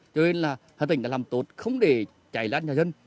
cho nên là hà tĩnh đã làm tốt không để chạy lát nhà dân